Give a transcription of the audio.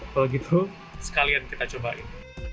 kalau gitu sekalian kita cobain